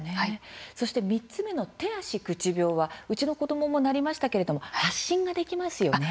そして、３つ目の手足口病は、うちの子どももなりましたけれども発疹ができますよね？